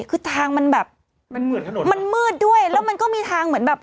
คือทางมันแบบมันเหมือนถนนมันมืดด้วยแล้วมันก็มีทางเหมือนแบบ